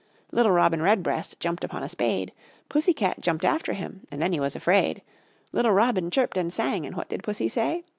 Little Robin Redbreast jumped upon a spade, Pussy Cat jumped after him, and then he was afraid. Little Robin chirped and sang, and what did Pussy say?